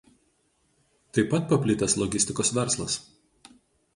Taip pat paplitęs logistikos verslas.